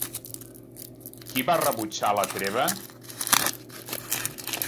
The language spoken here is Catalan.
Qui va rebutjar la treva?